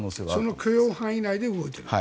その許容範囲内で動いていると。